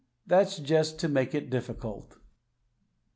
That's just to make it difficult.